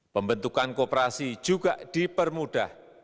pembentukan kooperasi juga dipermudah